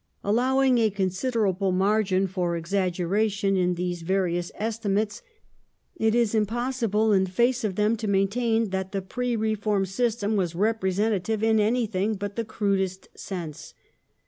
Allowing a considerable margin for exaggera tion in these various estimates, it is impossible in face of them to maintain that the pre reform system was representative in anything but the crudest sense.